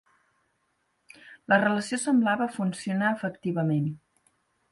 La relació semblava funcionar efectivament.